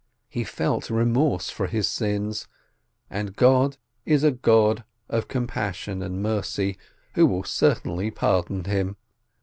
He felt remorse for his sins, and God is a God of compassion and mercy, who will certainly pardon him.